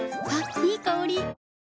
いい香り。